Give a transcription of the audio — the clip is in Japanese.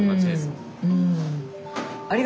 うん。